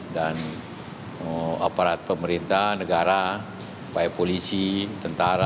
dan aparat pemerintah negara baik polisi tentara